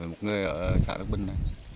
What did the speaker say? một người ở xã bắc binh này